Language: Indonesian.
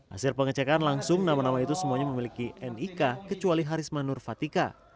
hasil pengecekan langsung nama nama itu semuanya memiliki nik kecuali harisma nurfatika